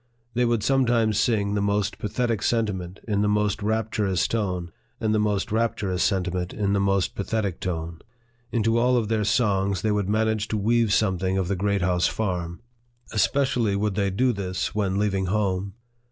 They would sometimes sing the most pathetic sentiment in the most rapturous tone, and the most rapturous senti ment in the most pathetic tone. Into all of their songs they would manage to weave something of the Great House Farm. Especially would they do this, when leaving home.